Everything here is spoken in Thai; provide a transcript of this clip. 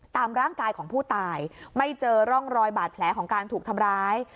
ตามร่างกายของผู้ตายไม่เจอร่องรอยบาดแผลของการถูกทำร้าย